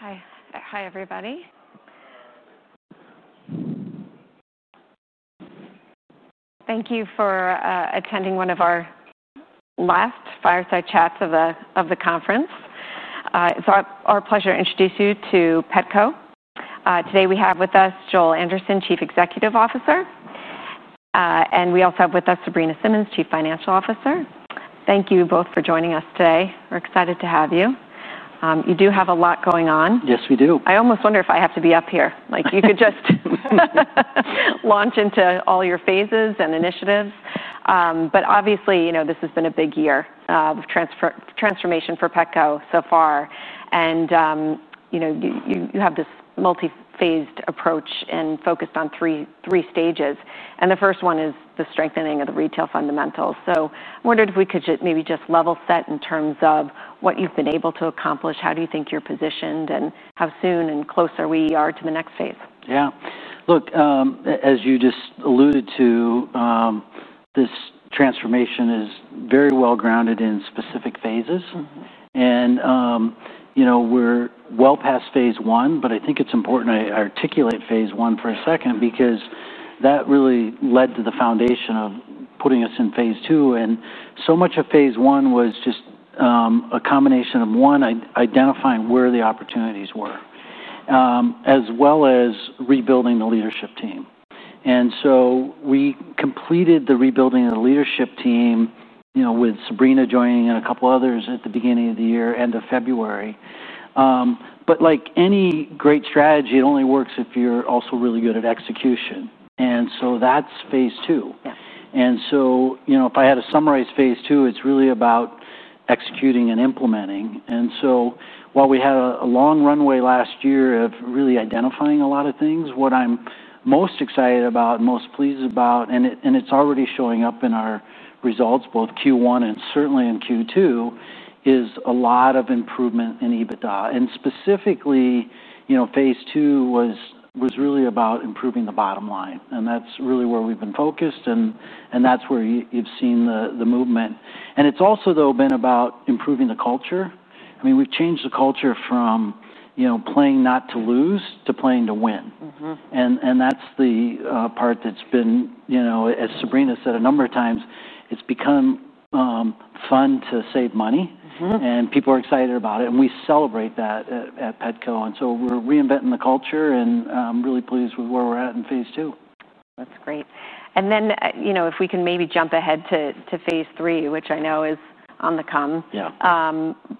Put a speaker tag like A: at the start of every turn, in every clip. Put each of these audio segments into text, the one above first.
A: Hi, hi everybody. Thank you for attending one of our last fireside chats of the conference. It's our pleasure to introduce you to Petco. Today we have with us Joel Anderson, Chief Executive Officer, and we also have with us Sabrina Simmons, Chief Financial Officer. Thank you both for joining us today. We're excited to have you. You do have a lot going on.
B: Yes, we do.
A: I almost wonder if I have to be up here. You could just launch into all your phases and initiatives. Obviously, this has been a big year of transformation for Petco, so far. You have this multi-phased approach and focused on three stages. The first one is the strengthening of the retail fundamentals. I wondered if we could maybe just level set in terms of what you've been able to accomplish, how do you think you're positioned, and how soon and closer we are to the next phase?
B: Yeah, look, as you just alluded to, this transformation is very well grounded in specific phases. We're well past phase one, but I think it's important I articulate phase one for a second because that really led to the foundation of putting us in phase two. So much of phase one was just a combination of, one, identifying where the opportunities were, as well as rebuilding the leadership team. We completed the rebuilding of the leadership team with Sabrina joining and a couple others at the beginning of the year, end of February. Like any great strategy, it only works if you're also really good at execution. That's phase two. If I had to summarize phase two, it's really about executing and implementing. While we had a long runway last year of really identifying a lot of things, what I'm most excited about and most pleased about, and it's already showing up in our results both Q1 and certainly in Q2, is a lot of improvement in EBITDA. Specifically, phase two was really about improving the bottom line. That's really where we've been focused. That's where you've seen the movement. It's also been about improving the culture. I mean, we've changed the culture from playing not to lose to playing to win. That's the part that's been, as Sabrina said a number of times, it's become fun to save money. People are excited about it. We celebrate that at Petco. We're reinventing the culture and I'm really pleased with where we're at in phase two.
A: That's great. If we can maybe jump ahead to phase three, which I know is on the come.
B: Yeah.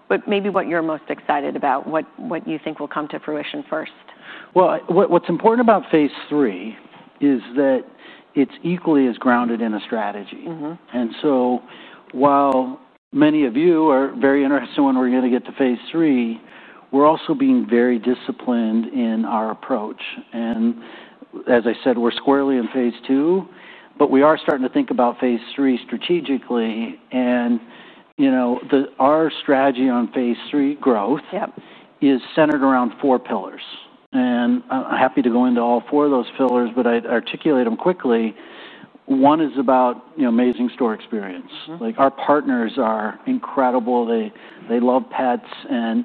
A: What are you most excited about, what do you think will come to fruition first?
B: What is important about phase three is that it is equally as grounded in a strategy. While many of you are very interested in when we are going to get to phase three, we are also being very disciplined in our approach. As I said, we are squarely in phase two, but we are starting to think about phase three strategically. Our strategy on phase three growth is centered around four pillars. I am happy to go into all four of those pillars, but I would articulate them quickly. One is about amazing store experience. Our partners are incredible. They love pets, and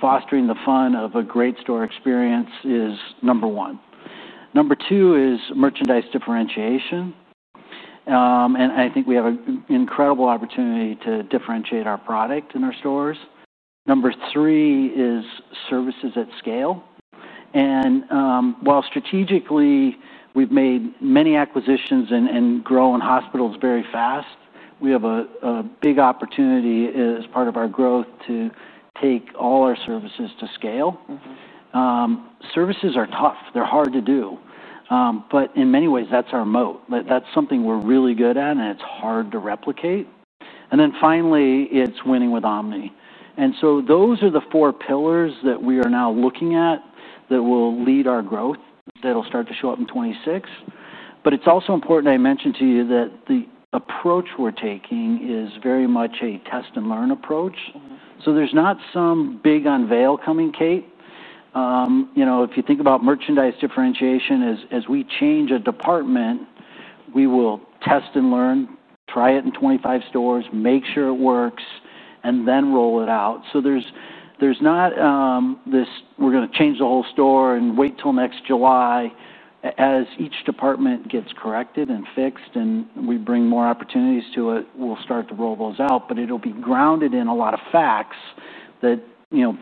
B: fostering the fun of a great store experience is number one. Number two is merchandise differentiation. I think we have an incredible opportunity to differentiate our product in our stores. Number three is services at scale. While strategically we have made many acquisitions and grown hospitals very fast, we have a big opportunity as part of our growth to take all our services to scale. Services are tough. They are hard to do, but in many ways, that is our moat. That is something we are really good at and it is hard to replicate. Finally, it is winning with omni. Those are the four pillars that we are now looking at that will lead our growth that will start to show up in 2026. It is also important I mention to you that the approach we are taking is very much a test and learn approach. There is not some big unveil coming, Kate. If you think about merchandise differentiation, as we change a department, we will test and learn, try it in 25 stores, make sure it works, and then roll it out. There is not this, we are going to change the whole store and wait until next July. As each department gets corrected and fixed and we bring more opportunities to it, we will start to roll those out. It will be grounded in a lot of facts that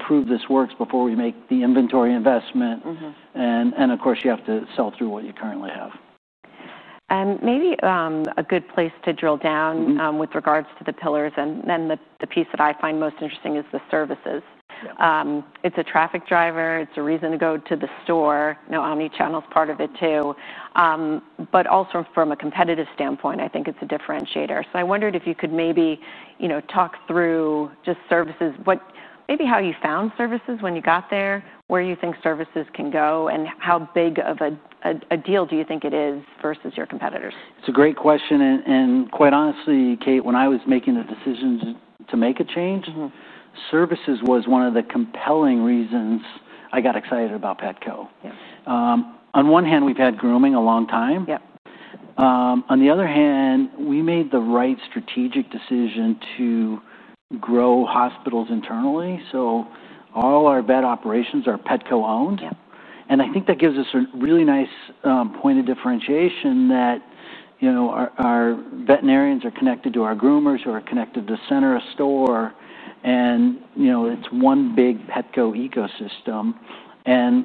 B: prove this works before we make the inventory investment. Of course, you have to sell through what you currently have.
A: Maybe a good place to drill down with regards to the pillars, and then the piece that I find most interesting is the services. It's a traffic driver. It's a reason to go to the store. Omnichannel is part of it, too. Also, from a competitive standpoint, I think it's a differentiator. I wondered if you could maybe talk through just services, maybe how you found services when you got there, where you think services can go, and how big of a deal do you think it is versus your competitors?
B: It's a great question. Quite honestly, Kate, when I was making a decision to make a change, services was one of the compelling reasons I got excited about Petco. On one hand, we've had grooming a long time. On the other hand, we made the right strategic decision to grow hospitals internally. All our vet operations are Petco- owned. I think that gives us a really nice point of differentiation that our veterinarians are connected to our groomers who are connected to the center of store. It's one big Petco ecosystem.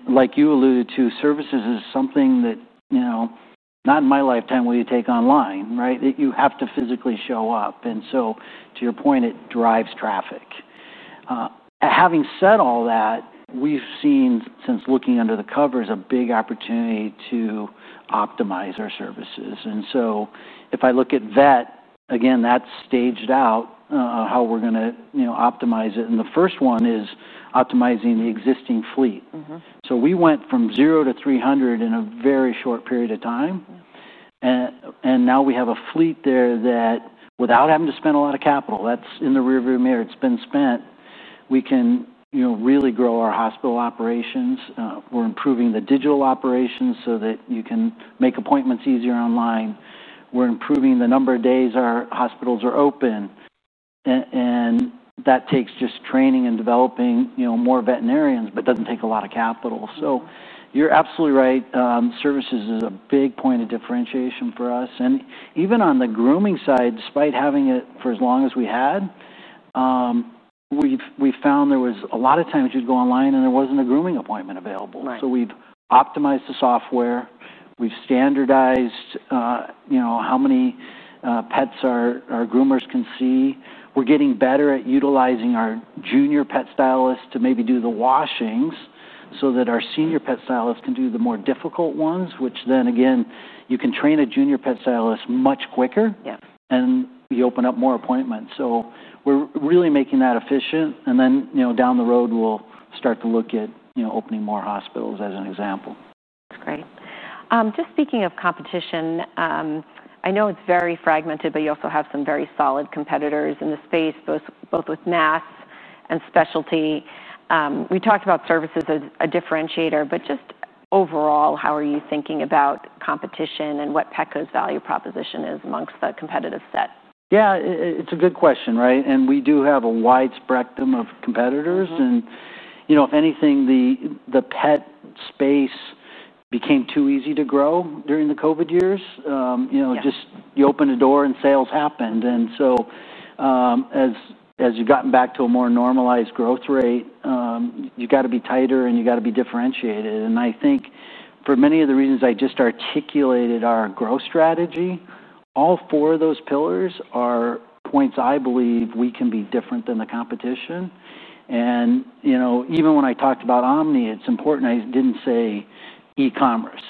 B: Like you alluded to, services is something that, not in my lifetime, will you take online, right? You have to physically show up. To your point, it drives traffic. Having said all that, we've seen since looking under the covers a big opportunity to optimize our services. If I look at vet, again, that's staged out how we're going to optimize it. The first one is optimizing the existing fleet. We went from zero to, 300 in a very short period of time. Now we have a fleet there that, without having to spend a lot of capital, that's in the rearview mirror, it's been spent, we can really grow our hospital operations. We're improving the digital operations so that you can make appointments easier online. We're improving the number of days our hospitals are open. That takes just training and developing more veterinarians, but doesn't take a lot of capital. You're absolutely right. Services is a big point of differentiation for us. Even on the grooming side, despite having it for as long as we had, we found there was a lot of times you'd go online and there wasn't a grooming appointment available. We've optimized the software. We've standardized how many pets our groomers can see. We're getting better at utilizing our junior pet stylists to maybe do the washings so that our senior pet stylists can do the more difficult ones, which then again, you can train a junior pet stylist much quicker. You open up more appointments. We're really making that efficient. Down the road, we'll start to look at opening more hospitals as an example.
A: That's great. Just speaking of competition, I know it's very fragmented, but you also have some very solid competitors in the space, both with NAS and specialty. We talked about services as a differentiator, but just overall, how are you thinking about competition and what Petco 's value proposition is amongst the competitive set?
B: Yeah, it's a good question, right? We do have a wide spectrum of competitors. If anything, the pet space became too easy to grow during the COVID years. You just opened a door and sales happened. As you've gotten back to a more normalized growth rate, you've got to be tighter and you've got to be differentiated. I think for many of the reasons I just articulated, our growth strategy, all fo ur of those pillars are points I believe we can be different than the competition. Even when I talked about omni, it's important I didn't say e-commerce.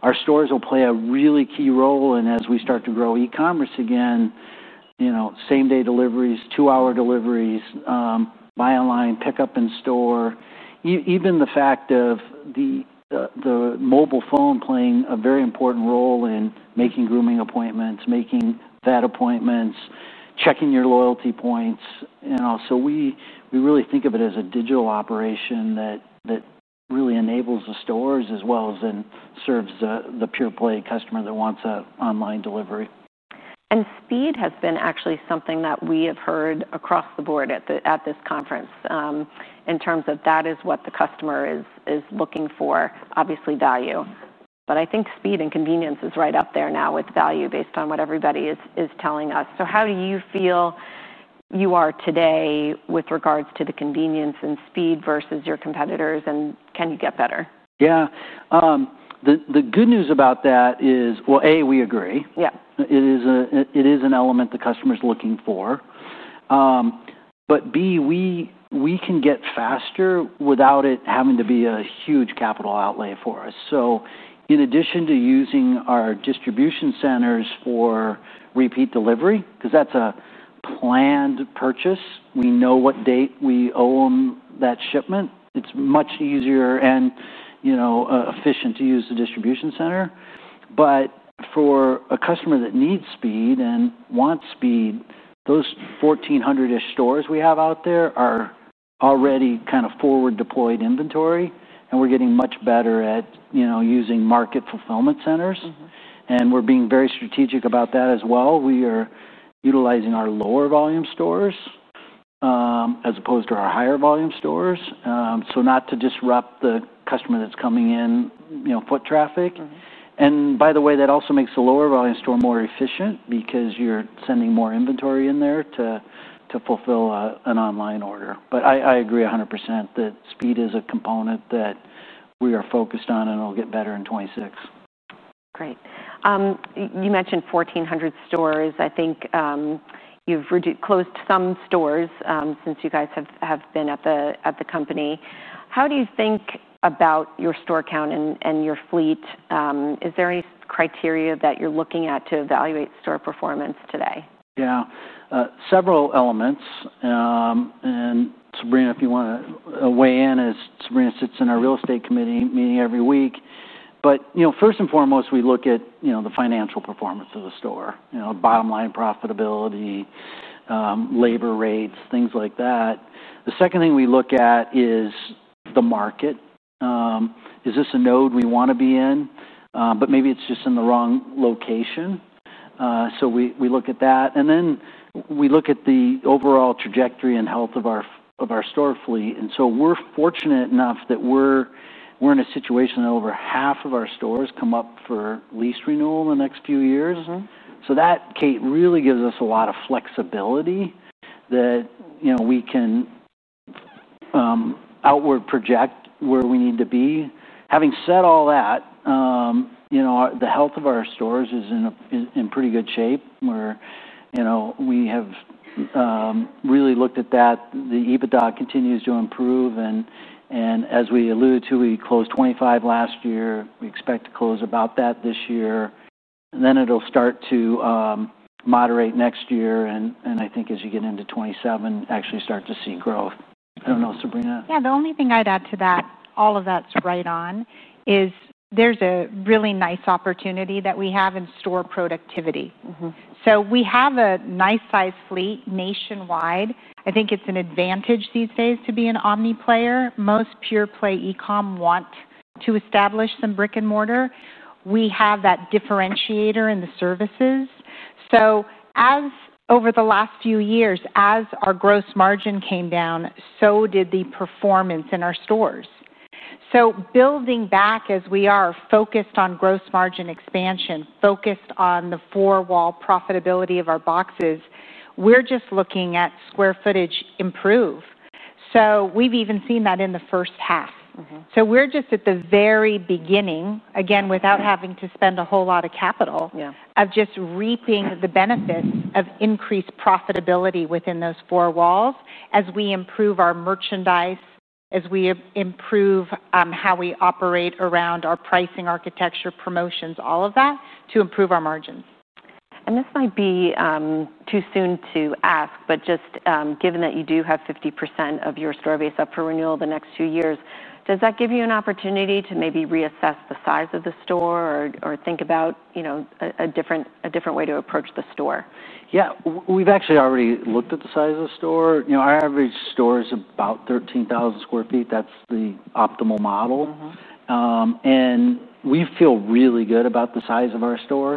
B: Our stores will play a really key role. As we start to grow e-commerce again, same-day deliveries, two-hour deliveries, buy online, pick up in store. Even the fact of the mobile phone playing a very important role in making grooming appointments, making vet appointments, checking your loyalty points. We really think of it as a digital operation that really enables the stores as well as serves the pure play customer that wants an online delivery.
A: Speed has been actually something that we have heard across the board at this conference in terms of that is what the customer is looking for, obviously value. I think speed and convenience is right up there now with value based on what everybody is telling us. How do you feel you are today with regards to the convenience and speed versus your competitors? Can you get better?
B: Yeah. The good news about that is, A, we agree.
A: Yeah.
B: It is an element the customer's looking for. B, we can get faster without it having to be a huge capital outlay for us. In addition to using our distribution centers for repeat delivery, because that's a planned purchase, we know what date we owe them that shipment. It's much easier and, you know, efficient to use the distribution center. For a customer that needs speed and wants speed, those 1,400-ish stores we have out there are already kind of forward-deployed inventory. We're getting much better at, you know, using market fulfillment centers, and we're being very strategic about that as well. We are utilizing our lower volume stores as opposed to our higher volume stores, not to disrupt the customer that's coming in, you know, foot traffic. By the way, that also makes the lower volume store more efficient because you're sending more inventory in there to fulfill an online order. I agree 100% that speed is a component that we are focused on and it'll get better in 2026.
A: Great. You mentioned 1,400 stores. I think you've closed some stores since you guys have been at the company. How do you think about your store count and your fleet? Is there any criteria that you're looking at to evaluate store performance today?
B: Yeah, several elements. Sabrina, if you want to weigh in, Sabrina sits in our real estate committee meeting every week. First and foremost, we look at the financial performance of the store, bottom line profitability, labor rates, things like that. The second thing we look at is the market. Is this a node we want to be in? Maybe it's just in the wrong location. We look at that. We look at the overall trajectory and health of our store fleet. We're fortunate enough that we're in a situation that over half of our stores come up for lease renewal in the next few years. That, Kate, really gives us a lot of flexibility that we can outward project where we need to be. Having said all that, the health of our stores is in pretty good shape. We've really looked at that. The EBITDA continues to improve. As we alluded to, we closed 25 last year. We expect to close about that this year. It'll start to moderate next year. I think as you get into 2027, actually start to see growth. I don't know, Sabrina?
C: Yeah, the only thing I'd add to that, all of that's right on, is there's a really nice opportunity that we have in store productivity. We have a nice size fleet nationwide. I think it's an advantage these days to be an omnichannel player. Most pure play e-com want to establish some brick and mortar. We have that differentiator in the services. Over the last few years, as our gross margins came down, so did the performance in our stores. Building back as we are focused on gross margin expansion, focused on the four-wall profitability of our boxes, we're just looking at square foot sales improve. We've even seen that in the first half. We're just at the very beginning, again, without having to spend a whole lot of capital, of just reaping the benefits of increased profitability within those four walls as we improve our merchandise, as we improve how we operate around our pricing architecture, promotions, all of that to improve our margins.
A: Given that you do have 50% of your store base up for renewal the next two years, does that give you an opportunity to maybe reassess the size of the store or think about a different way to approach the store?
B: Yeah, we've actually already looked at the size of the store. You know, our average store is about 13,000 sq ft. That's the optimal model, and we feel really good about the size of our store.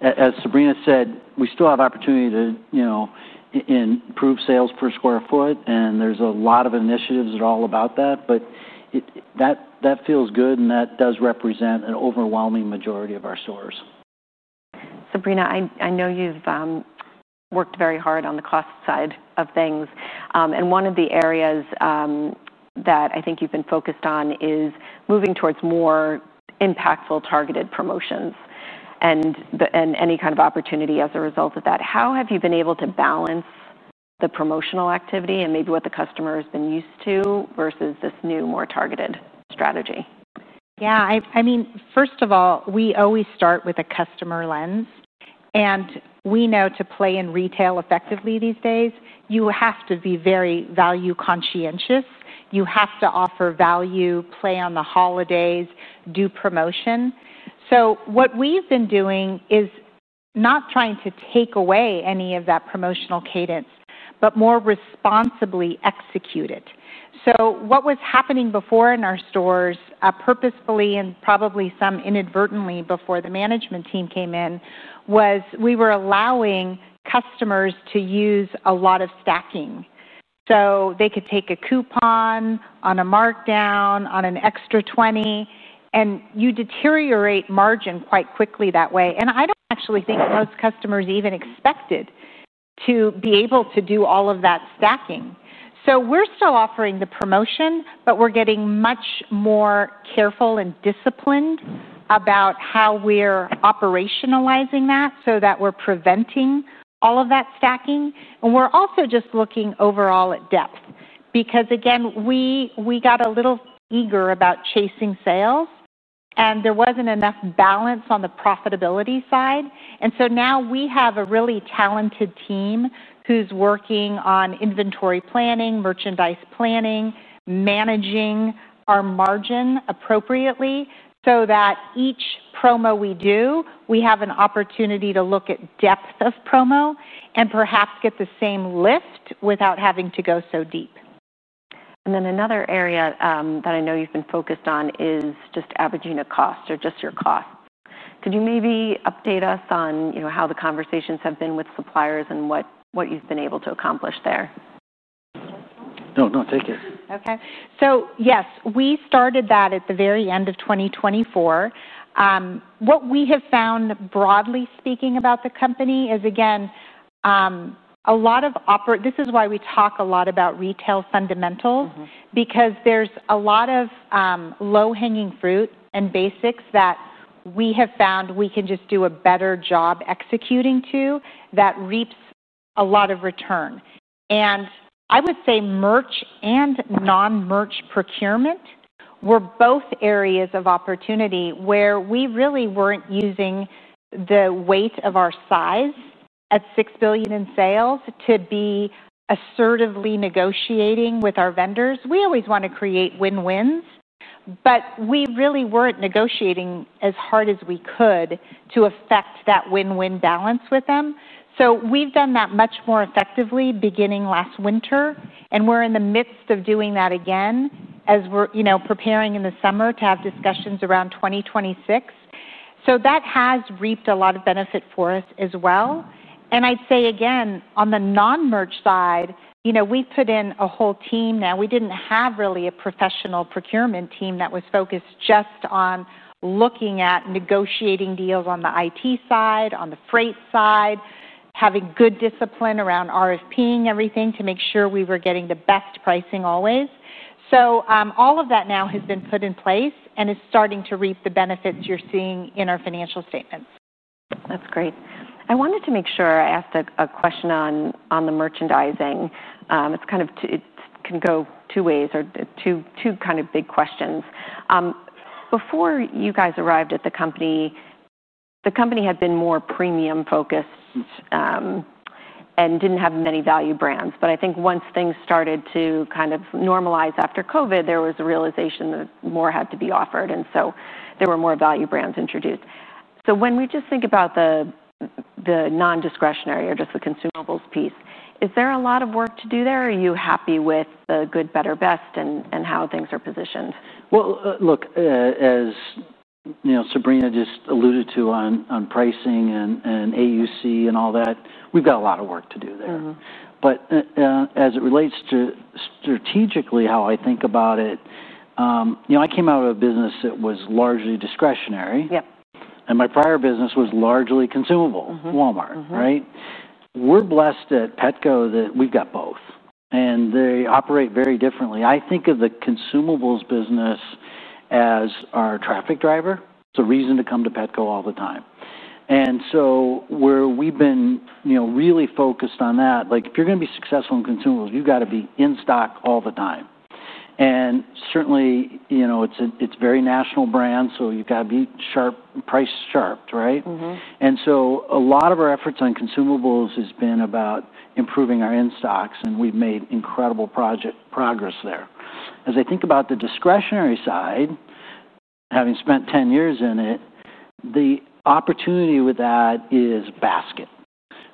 B: As Sabrina said, we still have opportunity to, you know, improve sales per square foot. There's a lot of initiatives that are all about that. That feels good, and that does represent an overwhelming majority of our stores.
A: Sabrina, I know you've worked very hard on the cost side of things. One of the areas that I think you've been focused on is moving towards more impactful targeted promotions and any kind of opportunity as a result of that. How have you been able to balance the promotional activity and maybe what the customer has been used to versus this new more targeted strategy?
C: Yeah, I mean, first of all, we always start with a customer lens. We know to play in retail effectively these days, you have to be very value- conscientious. You have to offer value, play on the holidays, do promotion. What we've been doing is not trying to take away any of that promotional cadence, but more responsibly execute it. What was happening before in our stores, purposefully and probably some inadvertently before the management team came in, was we were allowing customers to use a lot of stacking. They could take a coupon on a markdown, on an extra 20. You deteriorate margin quite quickly that way. I don't actually think most customers even expected to be able to do all of that stacking. We're still offering the promotion, but we're getting much more careful and disciplined about how we're operationalizing that so that we're preventing all of that stacking. We're also just looking overall at depth because, again, we got a little eager about chasing sales. There wasn't enough balance on the profitability side. Now we have a really talented team who's working on inventory planning, merchandise planning, managing our margin appropriately so that each promo we do, we have an opportunity to look at depth of promo and perhaps get the same lift without having to go so deep.
A: Another area that I know you've been focused on is just your cost. Could you maybe update us on how the conversations have been with suppliers and what you've been able to accomplish there?
B: No, take it.
C: Okay. Yes, we started that at the very end of 2024. What we have found, broadly speaking about the company, is a lot of operating, this is why we talk a lot about retail fundamentals, because there's a lot of low-hanging fruit and basics that we have found we can just do a better job executing to that reaps a lot of return. I would say merch and non-merch procurement were both areas of opportunity where we really weren't using the weight of our size at $6 billion in sales to be assertively negotiating with our vendors. We always want to create win-wins, but we really weren't negotiating as hard as we could to affect that win-win balance with them. We have done that much more effectively beginning last winter. We are in the midst of doing that again as we're preparing in the summer to have discussions around 2026. That has reaped a lot of benefit for us as well. Again, on the non-merch side, we've put in a whole team now. We didn't have really a professional procurement team that was focused just on looking at negotiating deals on the IT side, on the freight side, having good discipline around RFPing everything to make sure we were getting the best pricing always. All of that now has been put in place and is starting to reap the benefits you're seeing in our financial statements.
A: That's great. I wanted to make sure I asked a question on the merchandising. It can go two ways or two kind of big questions. Before you guys arrived at the company, the company had been more premium focused and didn't have many value brands. I think once things started to kind of normalize after COVID, there was a realization that more had to be offered. There were more value brands introduced. When we just think about the non-discretionary or just the consumables piece, is there a lot of work to do there? Are you happy with the good, better, best and how things are positioned?
B: As Sabrina just alluded to on pricing and AUC and all that, we've got a lot of work to do there. As it relates to strategically how I think about it, you know, I came out of a business that was largely discretionary. My prior business was largely consumable, Walmart, right? We're blessed at Petco that we've got both, and they operate very differently. I think of the consumables business as our traffic driver. It's a reason to come to Petco all the time. Where we've been really focused on that, like if you're going to be successful in consumables, you've got to be in stock all the time. Certainly, it's a very national brand, so you've got to be sharp, price sharp, right? A lot of our efforts on consumables have been about improving our in stocks, and we've made incredible progress there. As I think about the discretionary side, having spent 10 years in it, the opportunity with that is basket,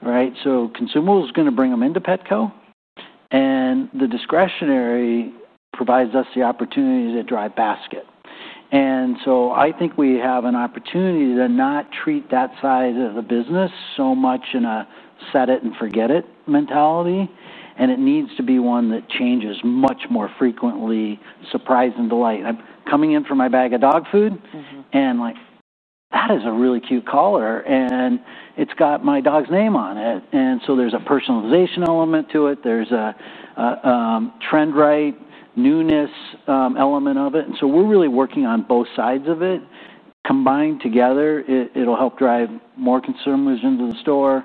B: right? Consumables is going to bring them into Petco, and the discretionary provides us the opportunity to drive basket. I think we have an opportunity to not treat that side of the business so much in a set it and forget it mentality, and it needs to be one that changes much more frequently, surprise and delight. I'm coming in for my bag of dog food, and like, that is a really cute collar, and it's got my dog's name on it. There's a personalization element to it. There's a trendright, newness element of it. We're really working on both sides of it combined together. It'll help drive more consumers into the store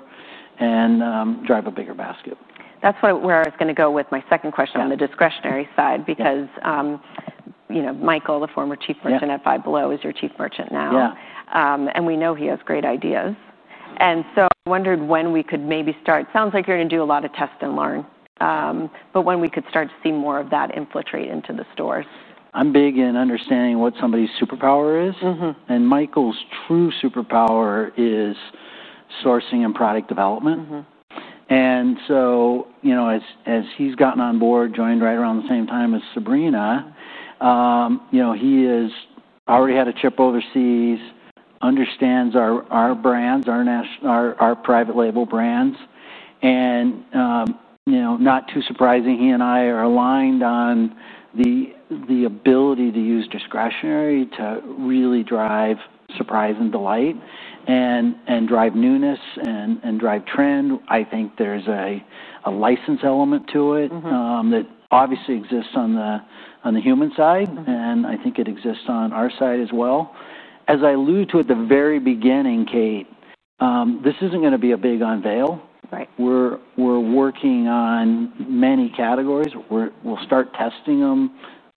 B: and drive a bigger basket.
A: That's where I was going to go with my second question on the discretionary side, because, you know, Michael, the former Chief Merchant at Five Below, is your Chief Merchant now.
B: Yeah.
A: We know he has great ideas. I wondered when we could maybe start, it sounds like you're going to do a lot of test and learn, but when we could start to see more of that infiltrate into the store.
B: I'm big in understanding what somebody's superpower is, and Michael's true superpower is sourcing and product development. As he's gotten on board, joined right around the same time as Sabrina, he has already had a trip overseas, understands our brands, our private label brands. Not too surprising, he and I are aligned on the ability to use discretionary to really drive surprise and delight and drive newness and drive trend. I think there's a license element to it that obviously exists on the human side, and I think it exists on our side as well. As I alluded to at the very beginning, Kate, this isn't going to be a big unveil.
A: Right.
B: We're working on many categories. We'll start testing them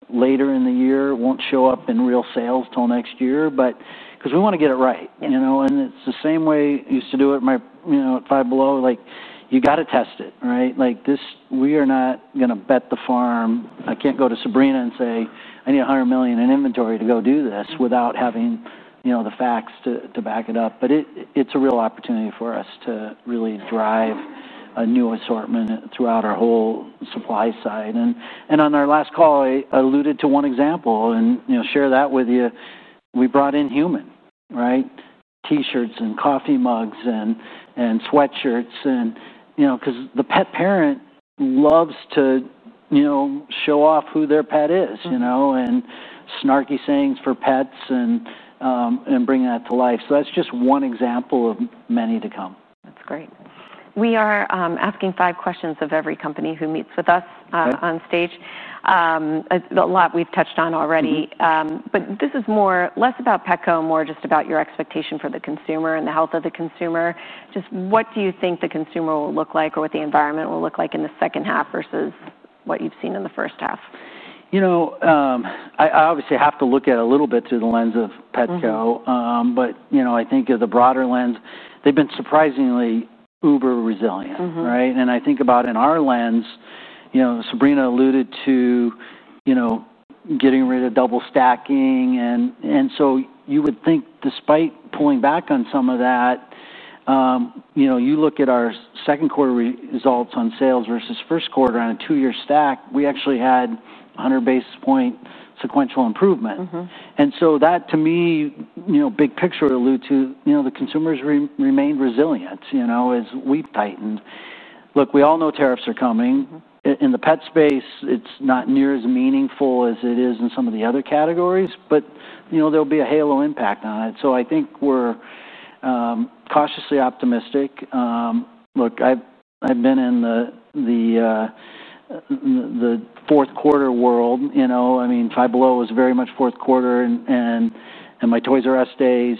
B: later in the year. It won't show up in real sales till next year because we want to get it right, you know, and it's the same way I used to do it at Five Below, like you got to test it, right? We are not going to bet the farm. I can't go to Sabrina and say, I need $100 million in inventory to go do this without having, you know, the facts to back it up. It's a real opportunity for us to really drive a new assortment throughout our whole supply side. On our last call, I alluded to one example and, you know, share that with you. We brought in human, right? T-shirts and coffee mugs and sweatshirts, you know, because the pet parent loves to, you know, show off who their pet is, you know, and snarky sayings for pets and bring that to life. That's just one example of many to come.
A: That's great. We are asking five questions of every company who meets with us on stage. A lot we've touched on already, but this is less about Petco, more just about your expectation for the consumer and the health of the consumer. Just what do you think the consumer will look like or what the environment will look like in the second half versus what you've seen in the first half?
B: I obviously have to look at it a little bit through the lens of Petco, but I think of the broader lens, they've been surprisingly uber resilient, right? I think about in our lens, Sabrina alluded to getting rid of double stacking. You would think despite pulling back on some of that, you look at our second quarter results on sales versus first quarter on a two-year stack, we actually had a 100 basis point sequential improvement. That to me, big picture, alludes to the consumer remained resilient as we tightened. Look, we all know tariffs are coming. In the pet space, it's not near as meaningful as it is in some of the other categories, but there'll be a halo impact on it. I think we're cautiously optimistic. I've been in the fourth quarter world. I mean, Five Below was very much fourth quarter and my Toys "R" Us days.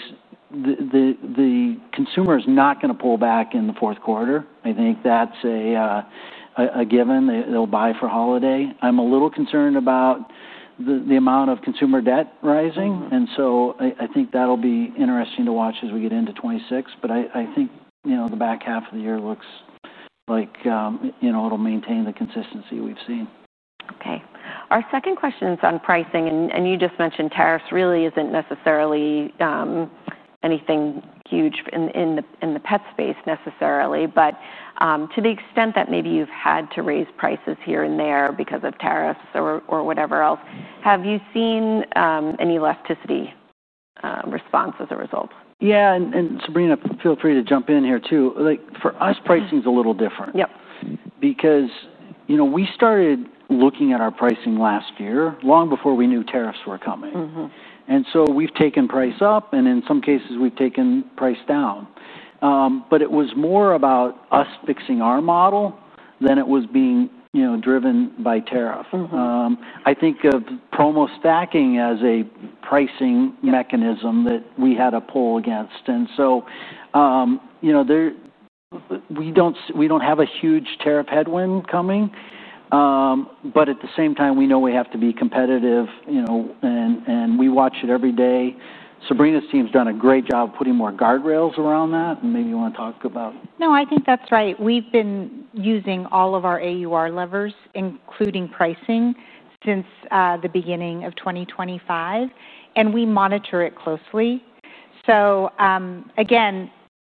B: The consumer is not going to pull back in the fourth quarter. I think that's a given. They'll buy for holiday. I'm a little concerned about the amount of consumer debt rising. I think that'll be interesting to watch as we get into 2026. I think the back half of the year looks like it'll maintain the consistency we've seen.
A: Okay. Our second question is on pricing. You just mentioned tariffs really isn't necessarily anything huge in the pet space necessarily. To the extent that maybe you've had to raise prices here and there because of tariffs or whatever else, have you seen any elasticity response as a result?
B: Yeah, and Sabrina, feel free to jump in here too. For us, pricing is a little different.
A: Yep.
B: Because, you know, we started looking at our pricing last year, long before we knew tariffs were coming. We have taken price up, and in some cases, we have taken price down. It was more about us fixing our model than it was being, you know, driven by tariff. I think of promo stacking as a pricing mechanism that we had a pull against. We do not have a huge tariff headwind coming. At the same time, we know we have to be competitive, you know, and we watch it every day. Sabrina's team's done a great job putting more guardrails around that. Maybe you want to talk about.
C: No, I think that's right. We've been using all of our AUR levers, including pricing, since the beginning of 2025, and we monitor it closely.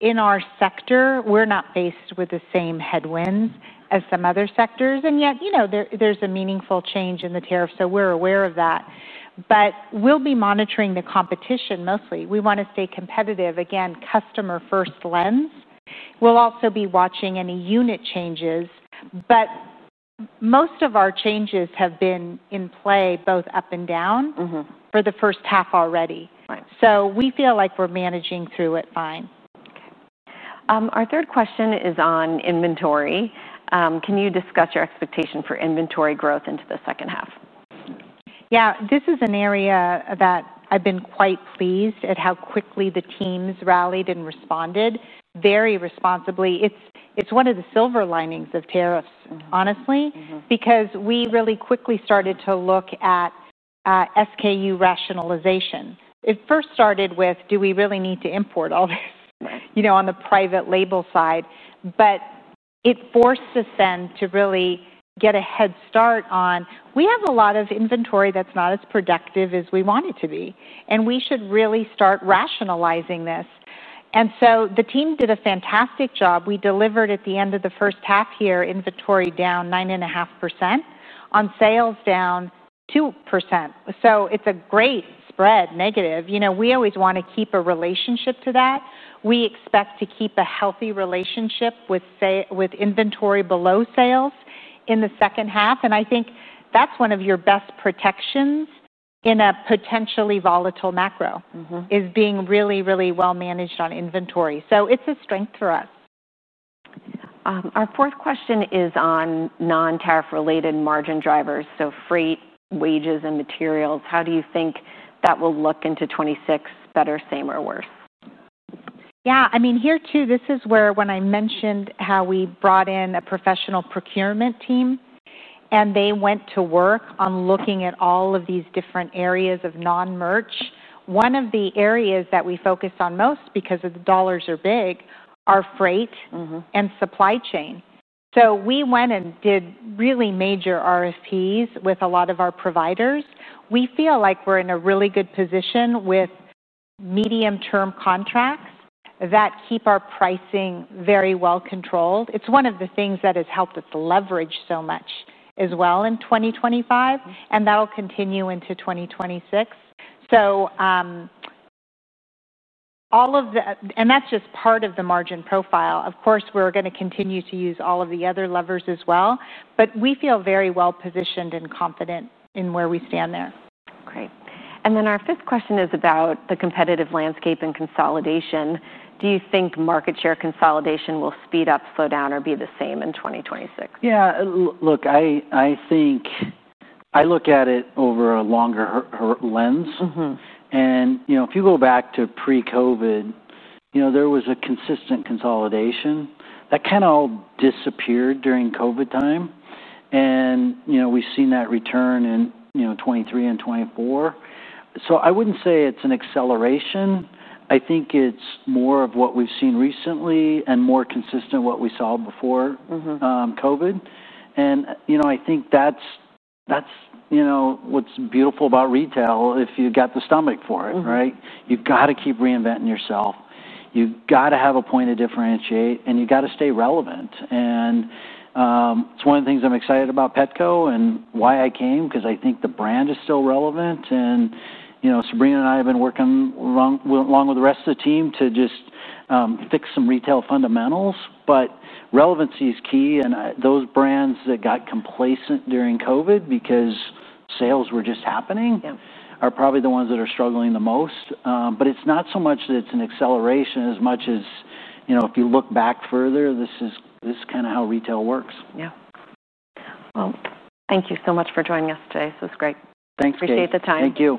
C: In our sector, we're not faced with the same headwinds as some other sectors. There's a meaningful change in the tariff, so we're aware of that. We'll be monitoring the competition mostly. We want to stay competitive, again, customer-first lens. We'll also be watching any unit changes. Most of our changes have been in play, both up and down, for the first half already. We feel like we're managing through it fine.
A: Our third question is on inventory. Can you discuss your expectation for inventory growth into the second half?
C: Yeah, this is an area that I've been quite pleased at how quickly the teams rallied and responded very responsibly. It's one of the silver linings of tariffs, honestly, because we really quickly started to look at SKU rationalization. It first started with, do we really need to import all this, you know, on the private label side? It forced us then to really get a head start on, we have a lot of inventory that's not as productive as we want it to be. We should really start rationalizing this. The team did a fantastic job. We delivered at the end of the first half year, inventory down 9.5%, on sales down 2%. It's a great spread, negative. We always want to keep a relationship to that. We expect to keep a healthy relationship with inventory below sales in the second half. I think that's one of your best protections in a potentially volatile macro, is being really, really well managed on inventory. It's a strength for us.
A: Our fourth question is on non-tariff related margin drivers. Freight, wages, and materials. How do you think that will look into 2026, better, same, or worse?
C: Yeah, I mean, here too, this is where when I mentioned how we brought in a professional procurement team, they went to work on looking at all of these different areas of non-merch. One of the areas that we focused on most because the dollars are big, are freight and supply chain. We went and did really major RFPs with a lot of our providers. We feel like we're in a really good position with medium-term contracts that keep our pricing very well controlled. It's one of the things that has helped us leverage so much as well in 2025. That'll continue into 2026. All of the, and that's just part of the margin profile. Of course, we're going to continue to use all of the other levers as well. We feel very well- positioned and confident in where we stand there.
A: Great. Our fifth question is about the competitive landscape and consolidation. Do you think market share consolidation will speed up, slow down, or be the same in 2026?
B: Yeah, look, I think I look at it over a longer lens. If you go back to pre-COVID, there was a consistent consolidation that kind of all disappeared during COVID time. We've seen that return in 2023 and 2024. I wouldn't say it's an acceleration. I think it's more of what we've seen recently and more consistent with what we saw before COVID. I think that's what's beautiful about retail if you've got the stomach for it, right? You've got to keep reinventing yourself. You've got to have a point to differentiate. You've got to stay relevant. It's one of the things I'm excited about Petco and why I came, because I think the brand is still relevant. Sabrina and I have been working along with the rest of the team to just fix some retail fundamentals. Relevancy is key. Those brands that got complacent during COVID because sales were just happening are probably the ones that are struggling the most. It's not so much that it's an acceleration as much as, if you look back further, this is kind of how retail works.
A: Thank you so much for joining us today. This was great.
B: Thanks, Kate.
A: Appreciate the time.
B: Thank you.